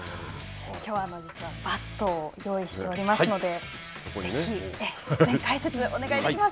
きょうはバットを用意しておりますので、ぜひ解説、お願いでき